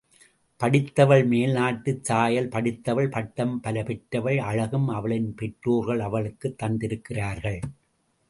படித்தவள் மேல் நாட்டுச் சாயல் படிந்தவள் பட்டம் பல பெற்றவள் அழகும், அவளின் பெற்றோர்கள் அவளுக்குத் தந்திருக்கிறார்கள்.